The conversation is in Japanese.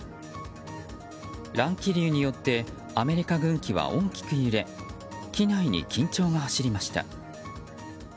乱気流によってアメリカ軍機は大きく揺れ機内に緊張が走りました。